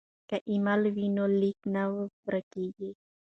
که ایمیل وي نو لیک نه ورک کیږي.